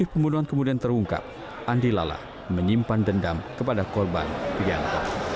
pembunuhan kemudian terungkap andi lala menyimpan dendam kepada korban rianto